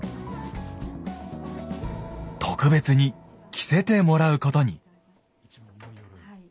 特別に着せてもらうことに。